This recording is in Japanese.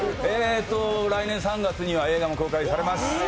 来年３月には映画も公開されます。